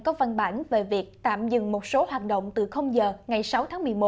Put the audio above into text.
có văn bản về việc tạm dừng một số hoạt động từ giờ ngày sáu tháng một mươi một